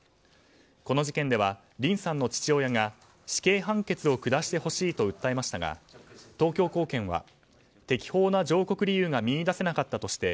この事件ではリンさんの父親が死刑判決を下してほしいと訴えましたが東京高検は、適法な上告理由が見いだせなかったとして